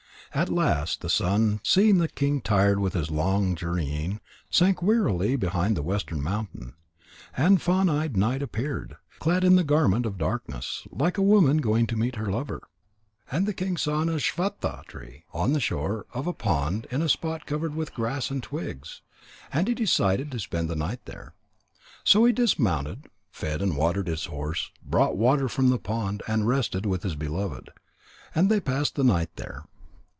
At last the sun, seeing the king tired with his long journeying, sank wearily behind the western mountain. And fawn eyed night appeared, clad in the garment of darkness, like a woman going to meet her lover. And the king saw an ashvattha tree on the shore of a pond in a spot covered with grass and twigs, and he decided to spend the night there. So he dismounted, fed and watered his horse, brought water from the pond, and rested with his beloved. And they passed the night there.